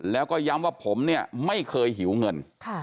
แล้วก็ย้ำว่าผมเนี่ยไม่เคยหิวเงิน